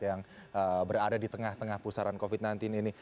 yang berada di tengah tengah pusaran covid sembilan belas ini